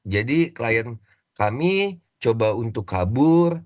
jadi klien kami coba untuk kabur